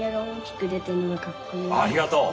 ありがとう。